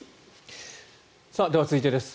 では、続いてです。